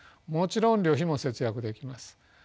もちろん旅費も節約できます。